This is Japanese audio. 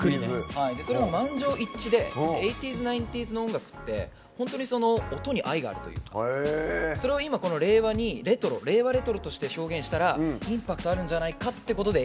それが満場一致で８０’ｓ、９０’ｓの音楽って本当に音に愛があるというかそれを今の令和にレトロ、令和レトロとして表現したらインパクトあるんじゃないかってことで８０